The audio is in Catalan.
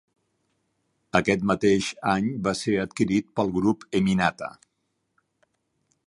Aquest mateix any va ser adquirit pel grup Eminata.